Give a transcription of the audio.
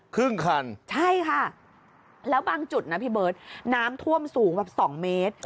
ครึ่งคันใช่ค่ะแล้วบางจุดนะพี่เบิร์ตน้ำท่วมสูงแบบสองเมตร